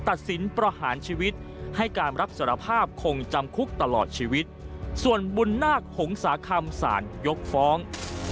ตัดสินประหารชีวิตให้การรับสารภาพคงจำคุกตลอดชีวิตส่วนบุญนาคหงษาคำสารยกฟ้อง